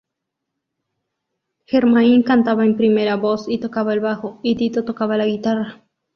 Jermaine cantaba en primera voz y tocaba el bajo, y Tito tocaba la guitarra.